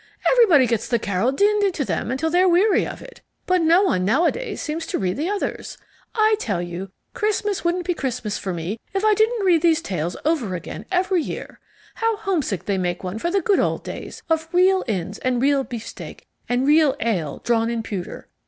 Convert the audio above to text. Everybody gets the Carol dinned into them until they're weary of it, but no one nowadays seems to read the others. I tell you, Christmas wouldn't be Christmas to me if I didn't read these tales over again every year. How homesick they make one for the good old days of real inns and real beefsteak and real ale drawn in pewter.